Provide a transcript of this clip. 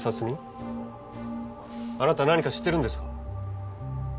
あなた何か知ってるんですか？